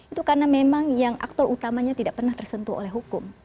itu karena memang yang aktor utamanya tidak pernah tersentuh oleh hukum